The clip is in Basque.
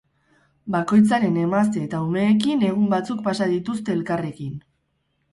Bakoitzaren emazte eta umeekin egun batzuk pasatzen dituzte elkarrekin.